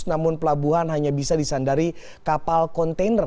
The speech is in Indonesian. namun pelabuhan hanya bisa disandari kapal kontainer